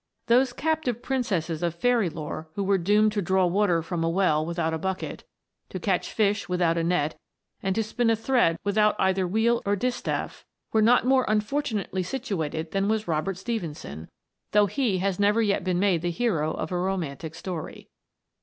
Those captive princesses of fairy lore who were doomed to draw water from a well without a bucket, to catch fish without a net, and to spin a thread without either wheel or distaff, were not more un fortunately situated than was Robert Stephenson, though he has never yet been made the hero of a romantic story.